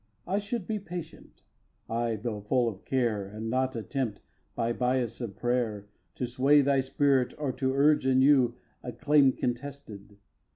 I should be patient, I, though full of care, And not attempt, by bias of a prayer, To sway thy spirit, or to urge anew A claim contested.